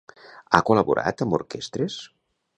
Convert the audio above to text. Ha col·laborat amb orquestres?